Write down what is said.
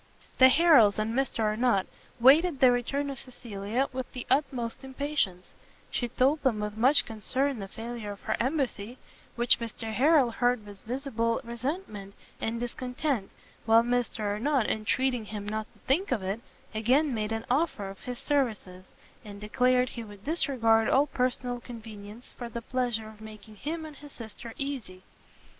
The Harrels and Mr Arnott waited the return of Cecilia with the utmost impatience; she told them with much concern the failure of her embassy, which Mr Harrel heard with visible resentment and discontent, while Mr Arnott, entreating him not to think of it, again made an offer of his services, and declared he would disregard all personal convenience for the pleasure of making him and his sister easy.